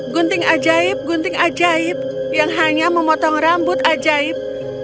gunting ajaib gunting ajaib yang hanya memotong rambut ajaib